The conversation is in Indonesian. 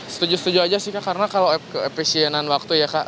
setuju setuju aja sih kak karena kalau keepisienan waktu ya kak